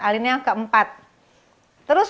alinnya yang keempat